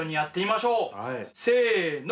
せの。